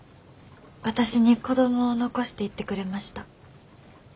私に子供を残していってくれました。